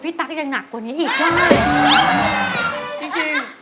พี่ตั๊กอย่างหนักกว่านี้อีก